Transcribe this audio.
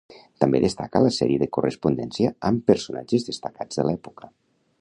També destaca la sèrie de correspondència amb personatges destacats de l’època.